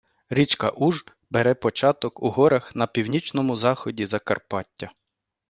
Річка Уж бере початок у горах на північному заході Закарпаття.